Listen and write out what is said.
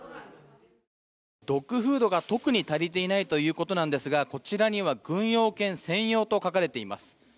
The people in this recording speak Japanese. ドッグフードが特に足りていないということなんですがこちらには軍用犬専用と書かれています。